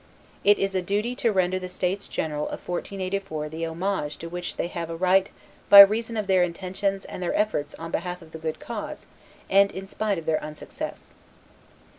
It was a duty to render to the states general of 1484 the homage to which they have a right by reason of their intentions and their efforts on behalf of the good cause and in spite of their unsuccess.